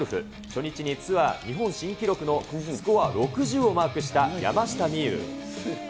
初日にツアー日本新記録のスコア６０をマークした山下美夢有。